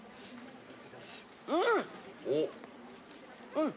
うん！